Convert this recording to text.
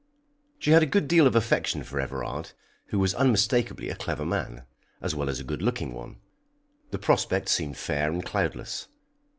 She had a good deal of affection for Everard, who was unmistakably a clever man, as well as a good looking one. The prospect seemed fair and cloudless.